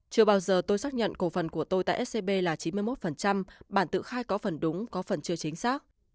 chưa bao giờ tôi xác nhận cổ phần của tôi tại scb là chín mươi một bản tự khai có phần đúng có phần chưa chính xác